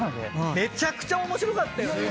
めちゃくちゃ面白かったよね。